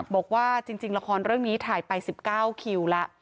บอกว่าจริงละครเรื่องนี้ถ่ายไป๑๙คิวแล้ว